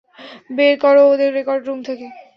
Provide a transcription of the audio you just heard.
বের করো ওদের রেকর্ড রুম থেকে।